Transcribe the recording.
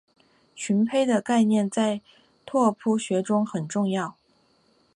群胚的概念在拓扑学中很重要。